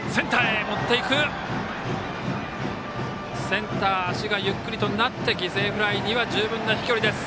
センター、足がゆっくりとなって犠牲フライには十分な飛距離です。